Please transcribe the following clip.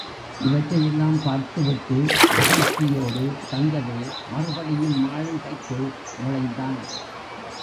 இவற்றையெல்லாம் பார்த்துவிட்டு மகிழ்ச்சியோடு தங்கவேல் மறுபடியும் மாளிகைக்குள் நுழைந்தான்.